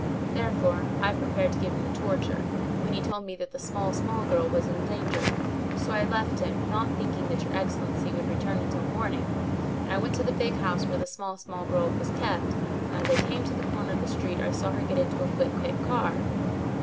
Therefore, I prepared to give him the torture when he told me that the small small girl was in danger. So I left him, not thinking that your excellency would return until the morning, and I went to the big house where the small small girl was kept, and as I came to the corner of the street I saw her get into a quick quick car.